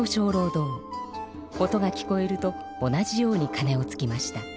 音が聞こえると同じようにかねをつきました。